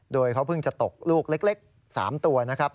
โดยเขาเพิ่งจะตกลูกเล็ก๓ตัวนะครับ